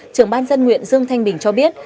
trưởng ban dân nguyện dương thanh bình cho biết